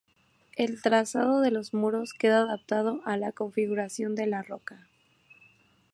El trazado de los muros queda adaptado a la configuración de la roca.